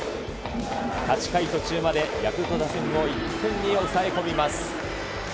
８回途中まで、ヤクルト打線を１点に抑え込みます。